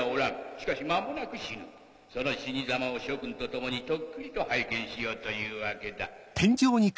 しかし間もなく死ぬその死にざまを諸君と共にとっくりと拝見しようというわけだ。